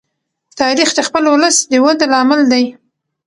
تاریخ د خپل ولس د وده لامل دی.